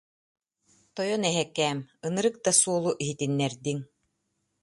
Тойон эһэккээм, ынырык да суолу иһитиннэрдиҥ